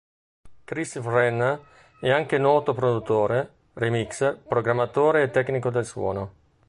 Chris Vrenna è anche noto produttore, remixer, programmatore e tecnico del suono.